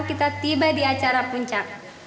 kita tiba di acara puncak